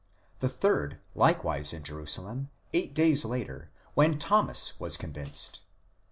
the third, like wise in Jerusalem, eight days later, when Thomas was convinced (xx.